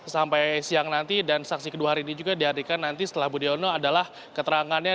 sampai siang nanti dan saksi kedua hari ini juga dihadirkan nanti setelah budiono adalah keterangannya